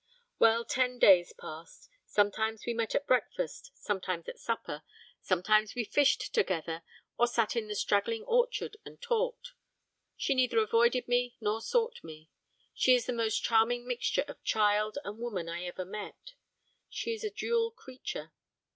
Well, ten days passed, sometimes we met at breakfast, sometimes at supper, sometimes we fished together or sat in the straggling orchard and talked; she neither avoided me nor sought me. She is the most charming mixture of child and woman I ever met. She is a dual creature.